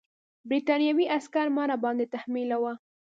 برټانوي عسکر مه راباندې تحمیلوه.